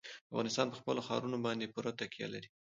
افغانستان په خپلو ښارونو باندې پوره تکیه لري.